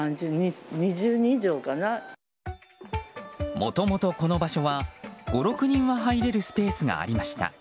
もともとこの場所は５６人は入れるスペースがありました。